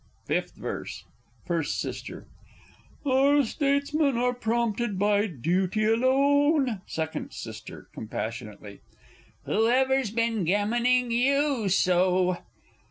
Fifth Verse. First S. Our Statesmen are prompted by duty alone. Second S. (compassionately). Whoever's been gammoning you so?